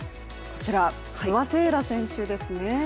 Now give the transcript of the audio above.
こちら、不破聖衣来選手ですね。